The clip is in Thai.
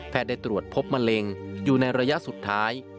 ได้ตรวจพบมะเร็งอยู่ในระยะสุดท้าย